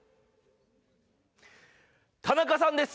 田中さんです！